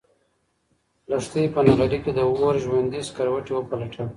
لښتې په نغري کې د اور ژوندي سکروټي وپلټل.